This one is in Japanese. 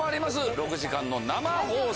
６時間の生放送。